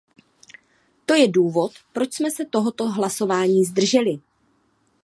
To je důvod, proč jsme se tohoto hlasování zdrželi.